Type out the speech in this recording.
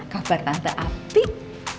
kabar tante apik